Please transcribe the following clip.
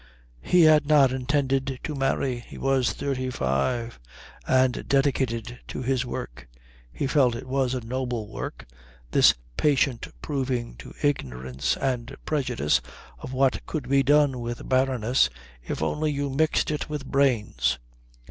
He had not intended to marry. He was thirty five, and dedicated to his work. He felt it was a noble work, this patient proving to ignorance and prejudice of what could be done with barrenness if only you mixed it with brains.